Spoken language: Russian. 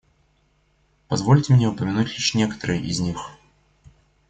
Позвольте мне упомянуть лишь некоторые из них.